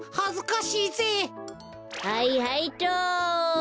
はいはいっと。